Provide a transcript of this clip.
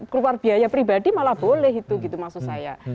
keluar biaya pribadi malah boleh itu gitu maksud saya